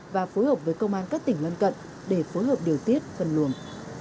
và phối hợp với công an các tỉnh ngân cận để phối hợp điều tiết phần luồng